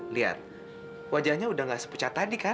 lihat wajahnya udah gak sepecat tadi kan